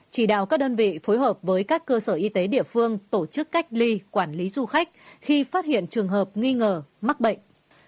chỉ đạo các đơn vị phối hợp với các cơ sở y tế địa phương tổ chức cách ly quản lý du khách khi phát hiện trường hợp nghi ngờ mắc bệnh